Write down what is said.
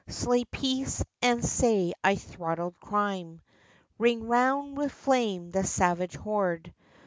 Slay Peace and say I throttled Crime ! Ring round with flame the Savage Horde